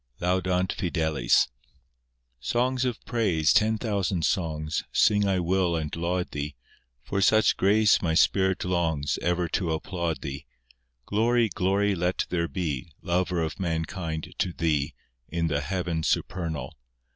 III (Laudant fideles) Songs of praise, ten thousand songs, Sing I will and laud Thee; For such grace my spirit longs, Ever to applaud Thee. Glory, glory let there be, Lover of mankind to Thee, In the heaven supernal.